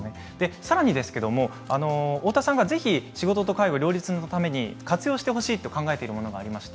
さらに太田さんがぜひ仕事と介護を両立するために活用してほしいと考えているものがあります。